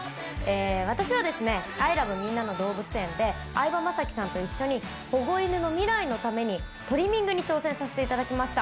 私は『ＩＬＯＶＥみんなのどうぶつ園』で相葉雅紀さんと一緒に保護犬の未来のためにトリミングに挑戦させていただきました。